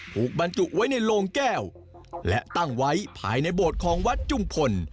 บรรจุไว้ในโลงแก้วและตั้งไว้ภายในโบสถ์ของวัดจุมพล